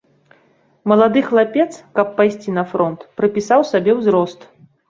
Малады хлапец, каб пайсці на фронт, прыпісаў сабе ўзрост.